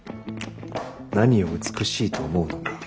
何を美しいと思うのか。